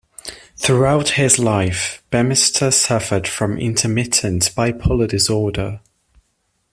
Throughout his life, Bemister suffered from intermittent bipolar disorder.